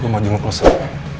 gue mau jumlah kursus